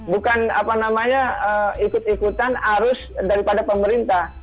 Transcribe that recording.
bukan ikut ikutan arus daripada pemerintah